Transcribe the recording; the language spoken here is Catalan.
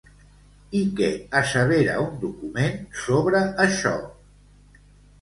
I què assevera un document sobre això?